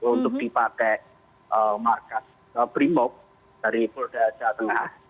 untuk dipakai markas brimob dari boda jateng